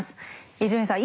伊集院さん